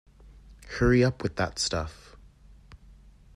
Hurry up with that stuff.